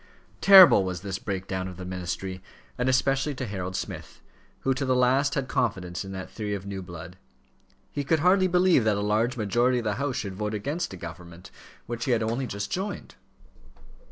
Terrible was this break down of the ministry, and especially to Harold Smith, who to the last had had confidence in that theory of new blood. He could hardly believe that a large majority of the House should vote against a government which he had only just joined.